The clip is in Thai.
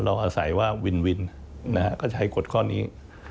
เราอาศัยว่าวินก็ใช้กฎข้อนี้